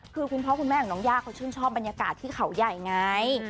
คือคุณพ่อคุณแม่ของน้องย่าเขาชื่นชอบบรรยากาศที่เขาใหญ่ไง